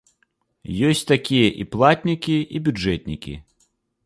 Ёсць такія і платнікі, і бюджэтнікі.